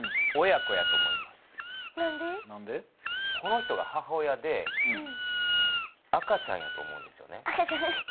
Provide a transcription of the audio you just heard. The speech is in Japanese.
この人が母親で赤ちゃんやと思うんですよね。